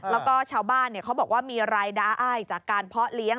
แล้วก็ชาวบ้านเขาบอกว่ามีรายได้อ้ายจากการเพาะเลี้ยง